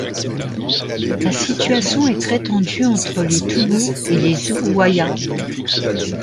La situation est très tendue entre les Toubous et les Zuwayya.